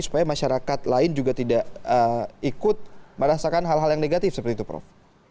supaya masyarakat lain juga tidak ikut merasakan hal hal yang negatif seperti itu prof